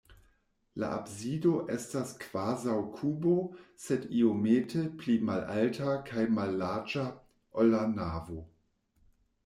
La absido estas kvazaŭ kubo, sed iomete pli malalta kaj mallarĝa, ol la navo.